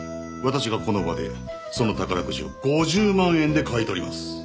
私がこの場でその宝くじを５０万円で買い取ります。